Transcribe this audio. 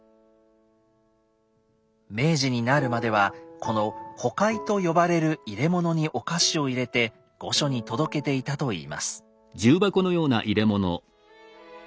明治になるまではこの「行器」と呼ばれる入れ物にお菓子を入れて御所に届けていたといいます。